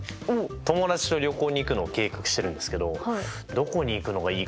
友達と旅行に行くのを計画してるんですけどどこに行くのがいいかなと思ってて。